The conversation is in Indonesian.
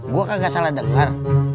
gua kagak salah denger